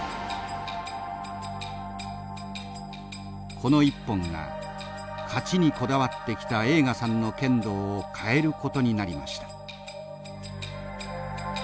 この一本が勝ちにこだわってきた栄花さんの剣道を変えることになりました。